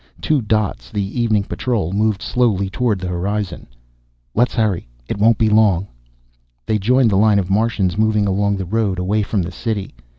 Two dots, the evening patrol, moved slowly toward the horizon. "Let's hurry. It won't be long." They joined the line of Martians moving along the road, away from the City.